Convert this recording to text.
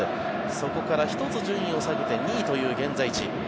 そこから１つ順位を下げて２位という現在地。